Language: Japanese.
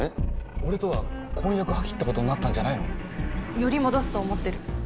俺とは婚約破棄ってことになったんじゃないの？より戻すと思ってる。